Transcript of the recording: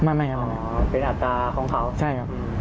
ไม่ไม่ไม่ไม่ไม่อ๋อเป็นอัตราของเขาใช่ครับอะ